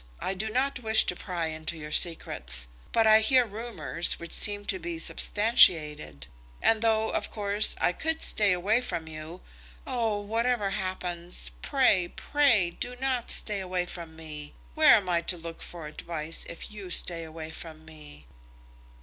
I do not wish to pry into your secrets. But I hear rumours which seem to be substantiated; and though, of course, I could stay away from you " "Oh, whatever happens, pray, pray do not stay away from me. Where am I to look for advice if you stay away from me?"